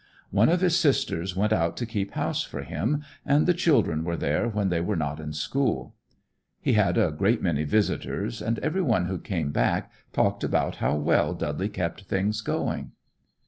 One of his sisters went out to keep house for him, and the children were there when they were not in school. He had a great many visitors, and everyone who came back talked about how well Dudley kept things going.